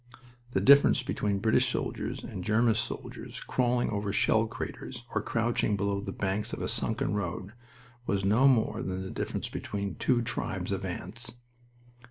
The difference between British soldiers and German soldiers crawling over shell craters or crouching below the banks of a sunken road was no more than the difference between two tribes of ants.